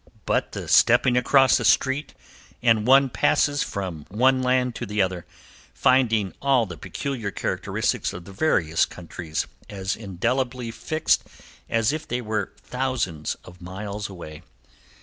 But the stepping across the street and one passes from one land to the other, finding all the peculiar characteristics of the various countries as indelibly fixed as if they were thousands of miles away.